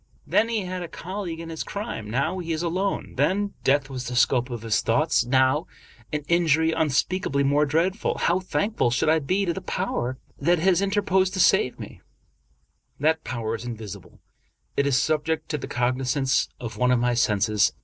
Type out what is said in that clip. Then he had a colleague in his crime; now he is alone. Then death was the scope of his thoughts ; now an injury unspeakably more dreadful. How thankful should I be to the power that has interposed to save me ! 264 Charles Brockdcn Brown That power is invisible. It is subject to the cognizance of one of my senses.